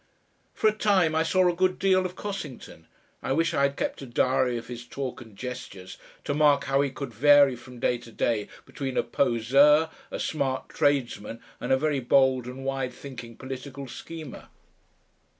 For a time I saw a good deal of Cossington I wish I had kept a diary of his talk and gestures, to mark how he could vary from day to day between a POSEUR, a smart tradesman, and a very bold and wide thinking political schemer.